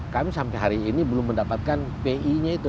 kami sampai hari ini belum mendapatkan pi nya itu